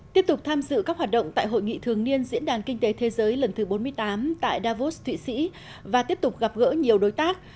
tiếp tục tham dự các hoạt động tại hội nghị thường niên diễn đàn kinh tế thế giới lần thứ bốn mươi tám tại davos thụy sĩ và tiếp tục gặp gỡ nhiều đối tác